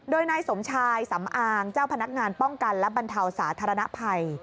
โดยนายสมชายสำอางเจ้าพนักงานป้องกันและบรรเทาสาธารณภัย